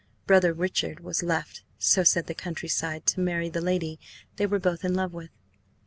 Brother Richard was left, so said the countryside, to marry the lady they were both in love with.